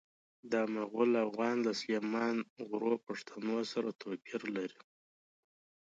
دا مغول اوغان له سلیمان غرو پښتنو سره توپیر لري.